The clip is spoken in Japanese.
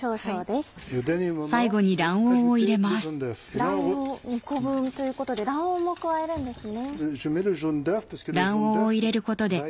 卵黄２個分ということで卵黄も加えるんですね。